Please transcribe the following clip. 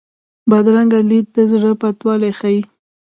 بدرنګه لید د زړه بدوالی ښيي